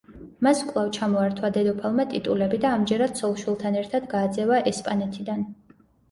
მას კვლავ ჩამოართვა დედოფალმა ტიტულები და ამჯერად ცოლ-შვილთან ერთად გააძევა ესპანეთიდან.